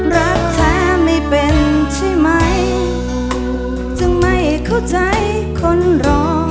รักแท้ไม่เป็นใช่ไหมจึงไม่เข้าใจคนรอ